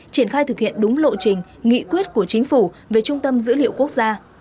triển khai thực hiện đúng lộ trình nghị quyết của chính phủ về trung tâm dữ liệu quốc gia